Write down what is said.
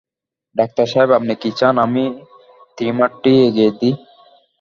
Doctor সাহেব আপনি কি চান আমি ক্রিমারটি এগিয়ে দিই?